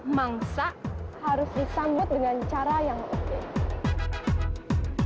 mangsa harus disambut dengan cara yang unik